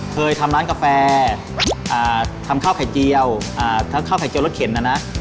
เคยทำร้านกาแฟทำข้าวไข่เจียวข้าวไข่เจียวรสเข็นนะนะ